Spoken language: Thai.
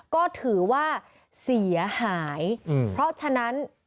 ก็ถือว่าเสียหายเพราะฉะนั้น